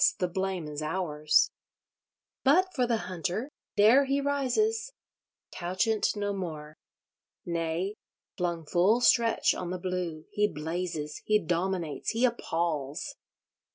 the blame is ours. But for the Hunter—there he rises—couchant no more. Nay, flung full stretch on the blue, he blazes, he dominates, he appals!